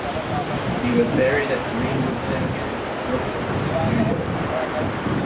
He was buried at Green-Wood Cemetery, Brooklyn, New York.